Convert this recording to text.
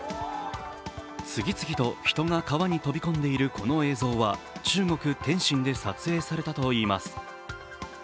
次々と人が川に飛び込んでいるこの映像は中国・天津で撮影されたといいます。